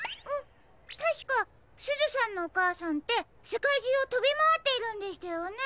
たしかすずさんのおかあさんってせかいじゅうをとびまわっているんでしたよね？